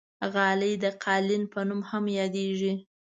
غالۍ د قالین په نوم هم یادېږي.